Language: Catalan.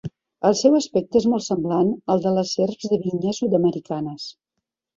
El seu aspecte és molt semblant al de les serps de vinya sud-americanes.